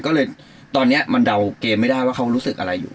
ก็เลยตอนนี้มันเดาเกมไม่ได้ว่าเขารู้สึกอะไรอยู่